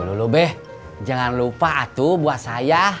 lalu be jangan lupa atuh buat saya